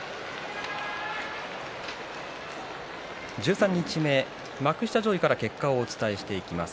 十三日目、幕下上位から結果をお伝えしていきます。